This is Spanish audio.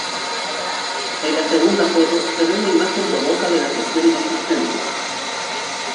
En la segunda foto se ve una imagen borrosa de la sección inexistente.